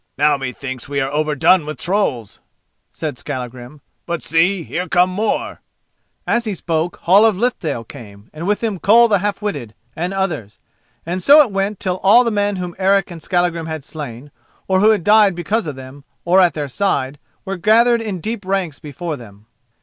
"Now methinks we are overdone with trolls," said Skallagrim; "but see! here come more." As he spoke, Hall of Lithdale came, and with him Koll the Half witted, and others. And so it went on till all the men whom Eric and Skallagrim had slain, or who had died because of them, or at their side, were gathered in deep ranks before them.